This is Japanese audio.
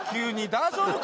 大丈夫か？